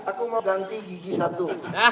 aku mau ganti gigi satu